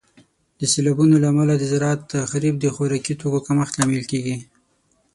د سیلابونو له امله د زراعت تخریب د خوراکي توکو د کمښت لامل کیږي.